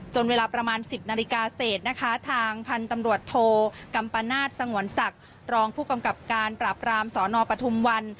เวลาประมาณ๑๐นาฬิกาเศษนะคะทางพันธุ์ตำรวจโทกัมปนาศสงวนศักดิ์รองผู้กำกับการปราบรามสนปทุมวัน